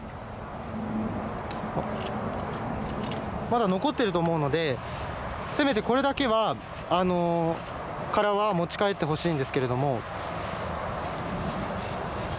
まだ残っていると思うのでせめてこれだけは殻は持ち帰ってほしいんですけれども。